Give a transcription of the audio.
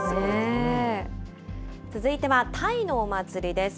続いてはタイのお祭りです。